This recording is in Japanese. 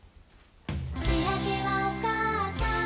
「しあげはおかあさん」